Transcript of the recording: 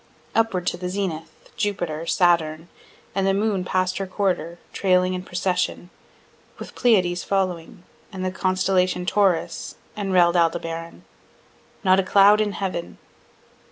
Upward to the zenith, Jupiter, Saturn, and the moon past her quarter, trailing in procession, with the Pleiades following, and the constellation Taurus, and red Aldebaran. Not a cloud in heaven.